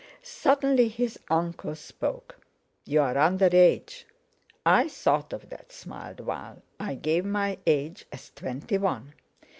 Suddenly his uncle spoke. "You're under age." "I thought of that," smiled Val; "I gave my age as twenty one."